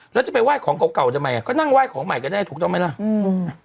แล้วจะไปไหว้ของเก่าเก่าทำไมอ่ะก็นั่งไห้ของใหม่ก็ได้ถูกต้องไหมล่ะอืม